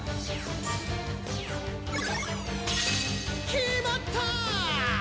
決まった！